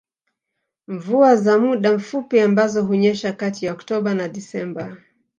Mvua za muda mfupi ambazo hunyesha kati ya Oktoba na Desemba